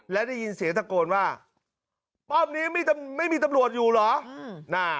และได้ยินเสียงตะโกนว่าป้อมนี้ไม่มีตำรวจอยู่เหรอ